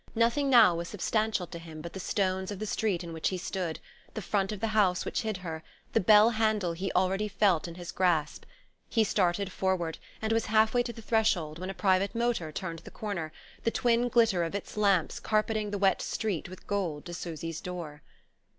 Nothing now was substantial to him but the stones of the street in which he stood, the front of the house which hid her, the bell handle he already felt in his grasp. He started forward, and was halfway to the threshold when a private motor turned the corner, the twin glitter of its lamps carpeting the wet street with gold to Susy's door.